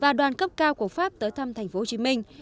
và đoàn cấp cao của pháp tới thăm tp hcm